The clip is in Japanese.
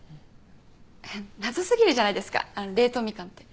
謎すぎるじゃないですか冷凍みかんって。